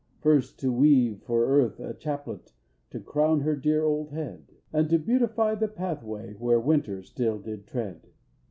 First to weave for Earth a chaplet To crown her dear old head; And to beautify the pathway Where winter still did tread.